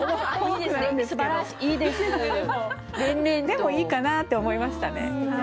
でもいいかなと思いましたね。